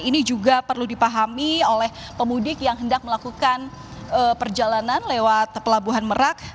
ini juga perlu dipahami oleh pemudik yang hendak melakukan perjalanan lewat pelabuhan merak